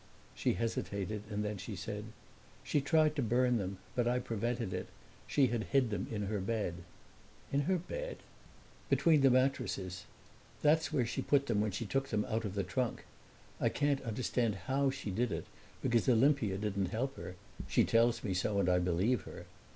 She hesitated and then she said, "She tried to burn them, but I prevented it. She had hid them in her bed." "In her bed?" "Between the mattresses. That's where she put them when she took them out of the trunk. I can't understand how she did it, because Olimpia didn't help her. She tells me so, and I believe her.